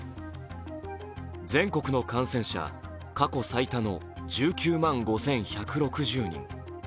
全国の感染者過去最多の１９万５１６０人。